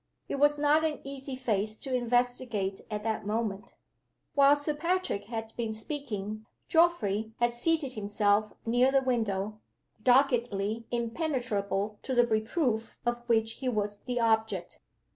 It was not an easy face to investigate at that moment. While Sir Patrick had been speaking Geoffrey had seated himself near the window, doggedly impenetrable to the reproof of which he was the object.